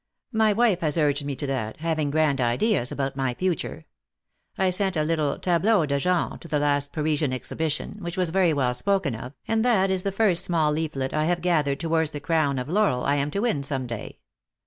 My wife has urged me to that, having grand ideas about my future. I sent a little tableau de genre to the last Parisian Exhibition, which was very well spoken of, and that is the first small leaflet I have gathered towards the crown of laurel I am to win some day.